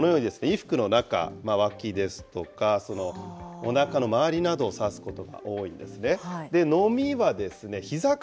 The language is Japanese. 例えばダニですと、このように衣服の中、わきですとか、おなかの周りなどを刺すことが多いんですね。